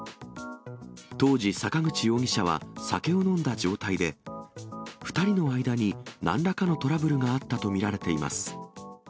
当時、坂口容疑者は酒を飲んだ状態で、２人の間になんらかのトラブルがあったと見られています。